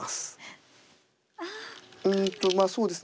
うんとそうですね